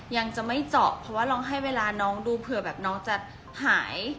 ยังจะไม่เจาะเพราะว่าลองให้เวลาน้องดูเผื่อแบบน้องจะหาย